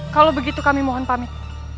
kalau begitu kami mohon pamit